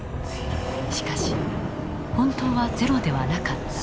しかし本当はゼロではなかった。